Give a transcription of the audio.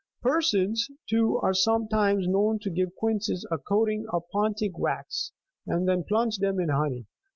Persons, too, are sometimes known to give quinces a coating of Pontic 8 wax, and then plunge them in honey.